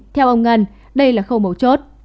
theo ông ngân đây là khâu mẫu chốt